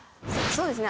そうですね。